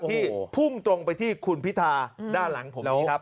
พุ่งตรงไปที่คุณพิธาด้านหลังผมนี้ครับ